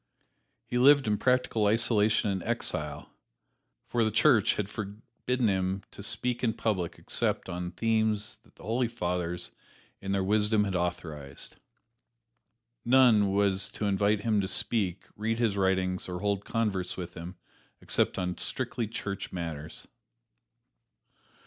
He lived in practical isolation and exile, for the Church had forbidden him to speak in public except upon themes that the Holy Fathers in their wisdom had authorized. None was to invite him to speak, read his writings or hold converse with him, except on strictly church matters.